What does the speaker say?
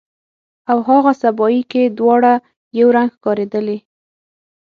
او هاغه سبایي کې دواړه یو رنګ ښکاریدلې